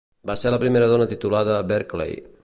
Va ser la primera dona titulada a Berkeley.